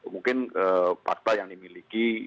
mungkin fakta yang dimiliki